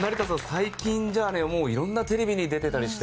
最近じゃあね色んなテレビに出てたりして。